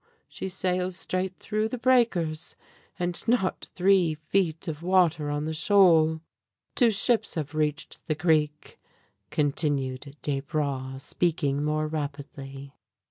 she sails straight through the breakers! and not three feet of water on the shoal! "Two ships have reached the creek," continued Desbra, speaking more rapidly.